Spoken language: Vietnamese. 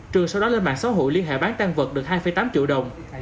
trường sau đó lên mạng xóa hủy liên hệ bán tăng vật được hai tám triệu đồng